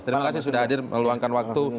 terima kasih sudah hadir meluangkan waktu